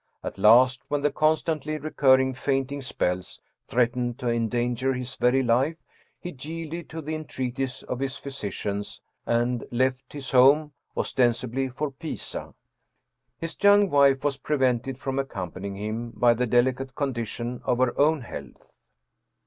At last, when the constantly recurring fainting spells threatened to endanger his very life, he yielded to the entreaties of his physicians and left his home, ostensi bly for Pisa. His young wife was prevented from accom panying him by the delicate condition of her own health.